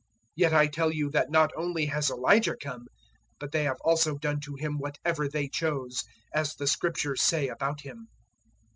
009:013 Yet I tell you that not only has Elijah come, but they have also done to him whatever they chose, as the Scriptures say about him."